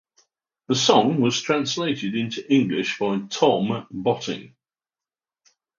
The song was translated into English by Tom Botting.